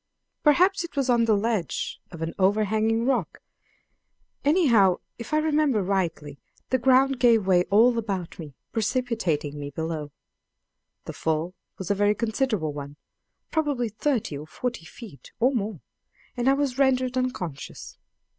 Perhaps it was on the ledge of an overhanging rock; anyhow, if I remember rightly, the ground gave way all about me, precipitating me below. The fall was a very considerable one probably thirty or forty feet, or more, and I was rendered unconscious.